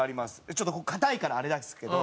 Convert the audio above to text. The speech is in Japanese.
ちょっとここ硬いからあれだすけど。